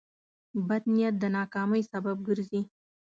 بد نیت د ناکامۍ سبب ګرځي.